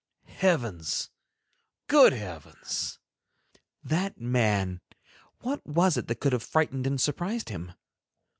Heavens! good heavens! That man, what was it that could have frightened and surprised him!